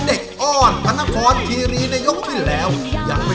โดยการแข่งขาวของทีมเด็กเสียงดีจำนวนสองทีม